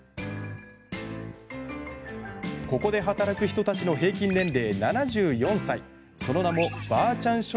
ここで働く人たちの平均年齢、７４歳その名もばあちゃん